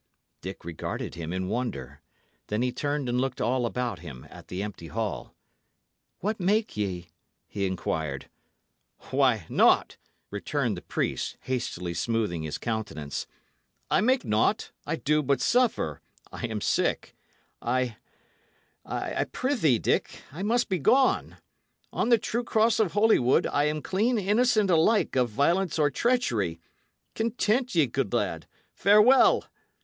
Dick regarded him in wonder; then he turned and looked all about him at the empty hall. "What make ye?" he inquired. "Why, naught," returned the priest, hastily smoothing his countenance. "I make naught; I do but suffer; I am sick. I I prithee, Dick, I must begone. On the true cross of Holywood, I am clean innocent alike of violence or treachery. Content ye, good lad. Farewell!"